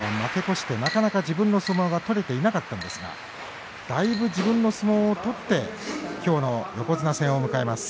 ここ２場所負け越してなかなか自分の相撲が取れていなかったんですがだいぶ自分の相撲を取ってきょうの横綱戦を迎えます。